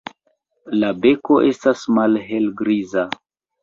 La beko estas malhelgriza.